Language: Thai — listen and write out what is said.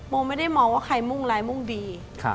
โมไม่ได้มองว่าใครมุ่งร้ายมุ่งดี